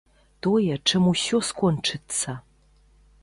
Тое, чым усё скончыцца.